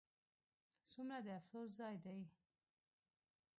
ځومره د افسوس ځاي دي